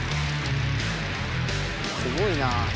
すごいなあ。